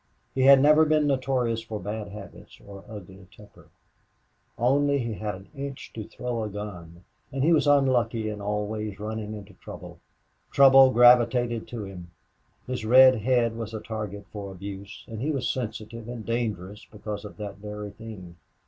He had never been notorious for bad habits or ugly temper. Only he had an itch to throw a gun and he was unlucky in always running into trouble. Trouble gravitated to him. His red head was a target for abuse, and he was sensitive and dangerous because of that very thing.